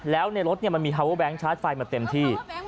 แล้วในรถมันมีฮาเวอร์แบงค์ชาร์จไฟมาเต็มที่